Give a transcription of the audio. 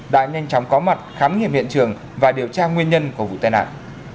đã nhanh chóng có mặt khám nghiệm hiện trường và điều tra nguyên nhân của vụ tai nạn